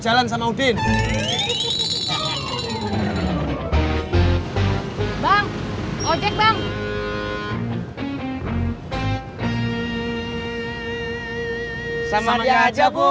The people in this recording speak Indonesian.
giliran kalian lah